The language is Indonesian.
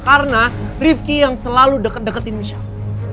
karena rizky yang selalu deket deketin michelle